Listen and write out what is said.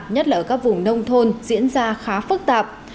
nhất là ở các vùng nông thôn diễn ra khá phức tạp